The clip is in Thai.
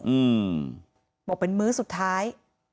อีกมึงมือสุดท้าย